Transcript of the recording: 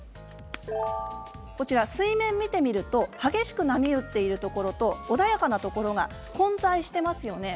水面を見てみると激しく波打っているところと穏やかなところが混在していますよね。